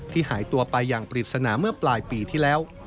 หายตัวไปอย่างปริศนาเมื่อปลายปีที่แล้ว